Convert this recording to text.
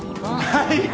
はい。